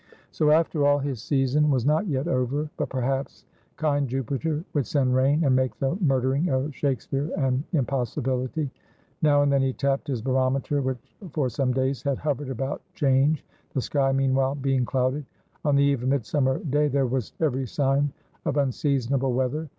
So, after all, his "season" was not yet over. But perhaps kind Jupiter would send rain, and make the murdering of Shakespeare an impossibility. Now and then he tapped his barometer, which for some days had hovered about "change," the sky meanwhile being clouded. On the eve of Midsummer Day there was every sign of unseasonable weather.